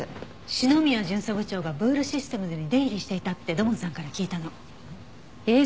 篠宮巡査部長がブールシステムズに出入りしていたって土門さんから聞いたの。